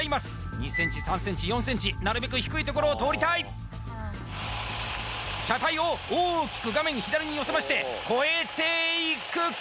２センチ３センチ４センチなるべく低いところを通りたい車体を大きく画面左に寄せまして越えていくか？